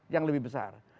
yang lebih besar